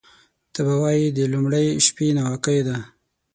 ته به وایې د لومړۍ شپې ناوکۍ ده